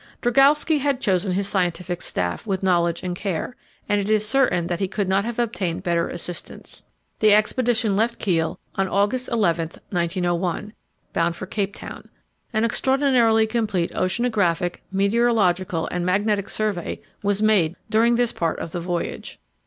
Drygalski had chosen his scientific staff with knowledge and care, and it is certain that he could not have obtained better assistants. The expedition left Kiel on August 11, 1901, bound for Cape Town. An extraordinarily complete oceanographical, meteorological, and magnetic survey was made during this part of the voyage.